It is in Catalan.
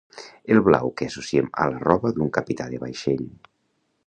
El blau que associem a la roba d'un capità de vaixell.